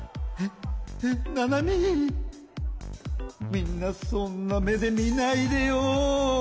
みんなそんな目で見ないでよ。